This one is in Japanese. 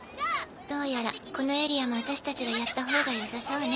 どうやらこのエリアも私たちがやったほうがよさそうね。